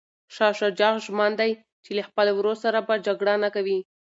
شاه شجاع ژمن دی چي له خپل وراره سره به جګړه نه کوي.